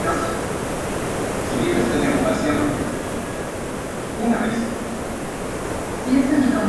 Desarrolla toda su carrera en China, y más concretamente en Hangzhou.